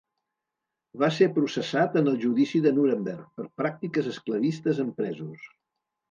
Va ser processat en el Judici de Nuremberg per pràctiques esclavistes amb presos.